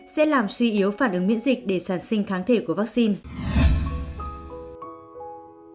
sẽ làm suy yếu phản ứng miễn dịch để sản sinh kháng thể của vaccine